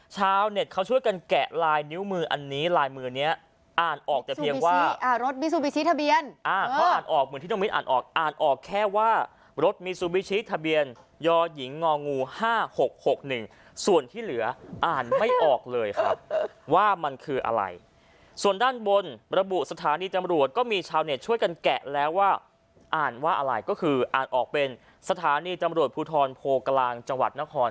ชาวเน็ตเขาช่วยกันแกะลายนิ้วมืออันนี้ลายมือนี้อ่านออกแต่เพียงว่ารถมีซูบิชิทะเบียนอ่ะเขาอ่านออกเหมือนที่น้องมิดอ่านออกอ่านออกแค่ว่ารถมีซูบิชิทะเบียนยอหญิงงองูห้าหกหกหนึ่งส่วนที่เหลืออ่านไม่ออกเลยครับว่ามันคืออะไรส่วนด้านบนระบุสถานีจำรวจก็มีชาวเน็ตช่วยกันแกะแล้วว่าอ่านว่